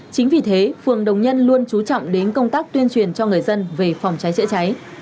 chính vì thế phường đồng nhân luôn trú trọng đến công tác tuyên truyền cho người dân về phòng cháy chữa cháy